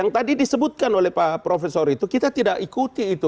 yang tadi disebutkan oleh pak profesor itu kita tidak ikuti itu